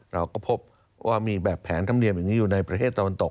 เราก็พบว่ามีแบบแผนธรรมเนียมอย่างนี้อยู่ในประเทศตะวันตก